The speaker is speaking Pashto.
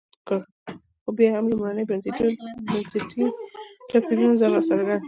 خو بیا هم لومړني بنسټي توپیرونو ځان راڅرګند کړ.